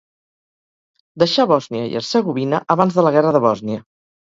Deixà Bòsnia i Hercegovina abans de la guerra de Bòsnia.